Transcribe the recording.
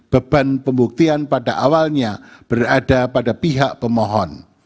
beban pembuktian pada awalnya berada pada pihak pemohon